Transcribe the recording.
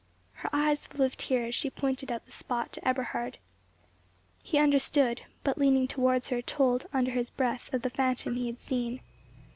Her eyes full of tears, she pointed the spot out to Eberhard. He understood; but, leaning towards her, told, under his breath, of the phantom he had seen.